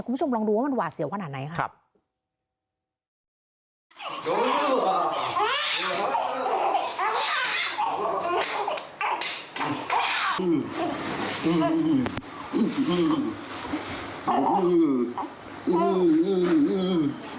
คุณผู้ชมลองดูว่ามันหวาดเสียวขนาดไหนครับ